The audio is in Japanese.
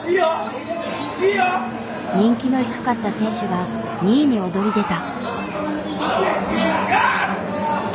人気の低かった選手が２位に躍り出た。